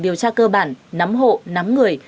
điều tra cơ bản nắm hộ nắm người